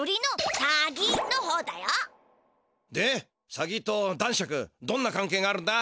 サギと男爵どんなかん係があるんだ？